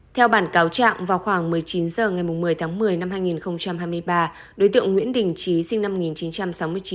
theo bản cáo trạng vào khoảng một mươi chín h ngày một mươi tháng một mươi năm hai nghìn hai mươi ba đối tượng nguyễn đình trí sinh năm một nghìn chín trăm sáu mươi chín